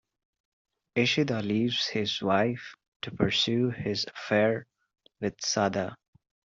Ishida leaves his wife to pursue his affair with Sada.